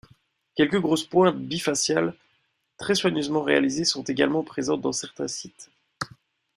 Quelques grosses pointes bifaciales très soigneusement réalisées sont également présentes dans certains sites.